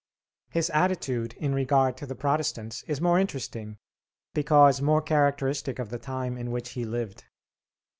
His attitude in regard to the Protestants is more interesting, because more characteristic of the time in which he lived.